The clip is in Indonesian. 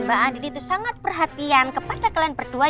mbak andi itu sangat perhatian kepada kalian berdua